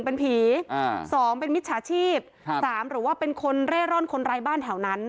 เป็นผีอ่าสองเป็นมิจฉาชีพ๓หรือว่าเป็นคนเร่ร่อนคนไร้บ้านแถวนั้น